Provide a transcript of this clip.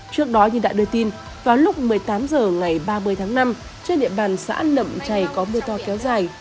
trước đó như đã đưa tin vào lúc một mươi tám h ngày ba mươi tháng năm trên địa bàn xã nậm chày có mưa to kéo dài